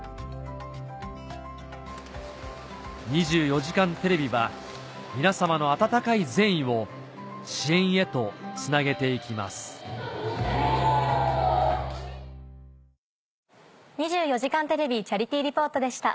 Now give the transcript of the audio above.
『２４時間テレビ』は皆様の温かい善意を支援へとつなげて行きます「２４時間テレビチャリティー・リポート」でした。